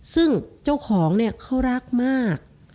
ซึ่งเจ้าของเนี่ยเขารักมาก